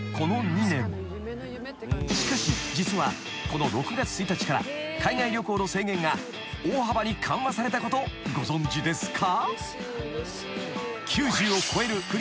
［しかし実はこの６月１日から海外旅行の制限が大幅に緩和されたことご存じですか？］